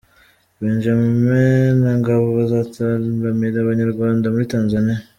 Benjame na Ngabo bazataramira Abanyarwanda muri Tanzaniya